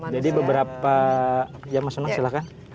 jadi beberapa ya mas sunang silahkan